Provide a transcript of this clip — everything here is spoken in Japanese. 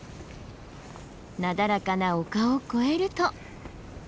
なだらかな丘を越えると。